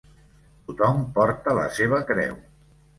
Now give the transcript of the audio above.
Tothom porta la seva creu.